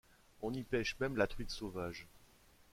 On y pêche même la truite sauvage.